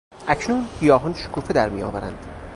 اکنون گیاهان شکوفه درمیآورند.